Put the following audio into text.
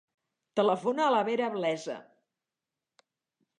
Telefona a la Vera Blesa.